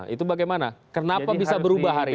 itu bagaimana kenapa bisa berubah hari ini